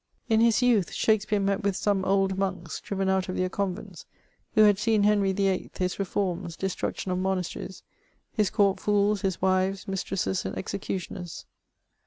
In his youth, Shakspeare met with some old monks, driven out of their convents, who had seen Henry VIII., his reforms, destruction of monasteries, his court fools, his wives, mis tresses, and executioners.